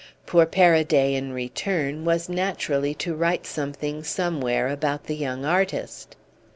Poor Paraday, in return, was naturally to write something somewhere about the young artist.